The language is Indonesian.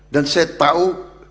dan saya tahu